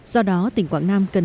do đó tỉnh quảng nam cần sớm sử dụng